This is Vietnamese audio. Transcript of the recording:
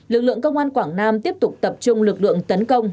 lực lượng công an quảng nam tiếp tục tập trung lực lượng tấn công